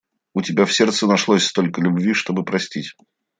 У тебя в сердце нашлось столько любви, чтобы простить...